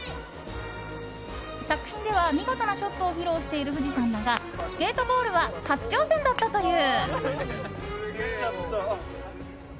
作品では見事なショットを披露している藤さんだがゲートボールは初挑戦だったという。